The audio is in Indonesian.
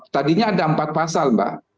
tadinya ada empat pasal mbak